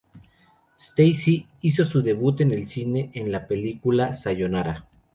Stacy hizo su debut en el cine en la película "Sayonara".